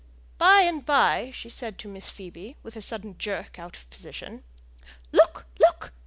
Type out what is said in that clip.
By and by she said to Miss Phoebe, with a sudden jerk out of position, "Look, look!